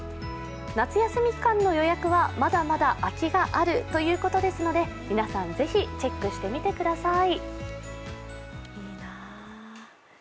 夏休み期間の予約はまだまだ空きがあるということですので皆さん是非チェックしてみてください。